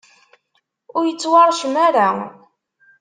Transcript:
ur yettwaṛcem ara.